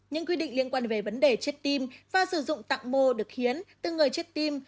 những quy định liên quan về vấn đề chết tim và sử dụng tạng mô được hiến từ người chết tim